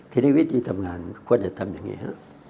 ทีนี้วิธีทำงานควรจะทำอย่างนี้ฮะ